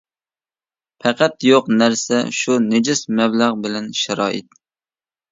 پەقەت يوق نەرسە شۇ نىجىس مەبلەغ بىلەن شارائىت.